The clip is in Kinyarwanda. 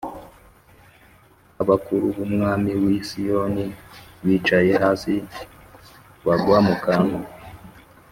Abakuru b’umwari w’i Siyoni bicaye hasi, bagwa mu kantu;